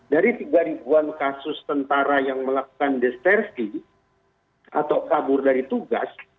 dari tiga kasus tentara yang melakukan de stresi atau kabur dari tugas